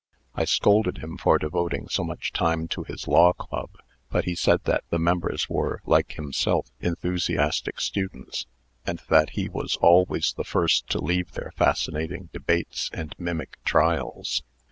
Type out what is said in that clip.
I scolded him for devoting so much time to his law club; but he said that the members were, like himself, enthusiastic students, and that he was always the first to leave their fascinating debates and mimic trials.